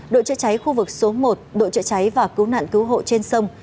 đội chứa cháy khu vực số một đội chứa cháy và cứu nạn cứu hộ trên sông